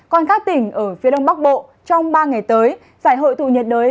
còn các tỉnh ở phía đông bắc bộ trong ba ngày tới giải hội tụ nhiệt đới